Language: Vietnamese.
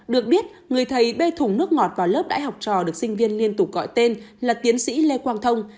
được biết người thầy bê thùng nước ngọt vào lớp đãi học trò được sinh viên liên tục gọi tên là tiến sĩ lê quang thông